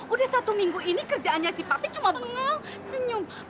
udah satu minggu ini kerjaannya si papit cuma menengah senyum